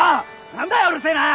何だようるせえな！